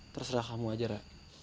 terserah kamu aja ra